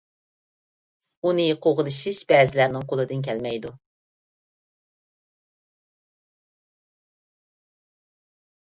ئۇنى قوغلىشىش بەزىلەرنىڭ قولىدىن كەلمەيدۇ.